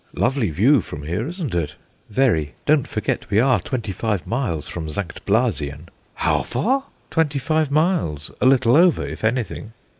Lovely view from here, isn't it?" "Very. Don't forget we are twenty five miles from St. Blasien." "How far?" "Twenty five miles, a little over if anything."